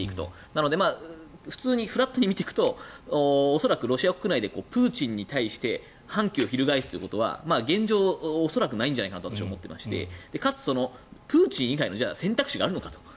なので普通にフラットに見ていくと恐らくロシア国内でプーチンに対して反旗を翻すということは現状、恐らくないんじゃないかと私は思っていましてかつ、プーチン以外の選択肢があるのかと。